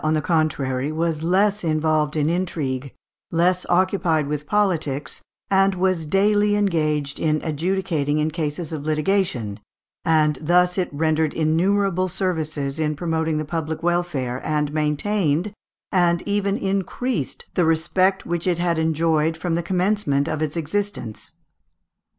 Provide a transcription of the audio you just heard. ] The Châtelet, on the contrary, was less involved in intrigue, less occupied with politics, and was daily engaged in adjudicating in cases of litigation, and thus it rendered innumerable services in promoting the public welfare, and maintained, and even increased, the respect which it had enjoyed from the commencement of its existence.